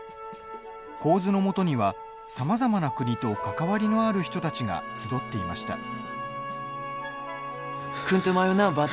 神頭のもとにはさまざまな国と関わりのある人たちが集っていました。